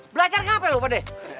belajar gak apa apa deh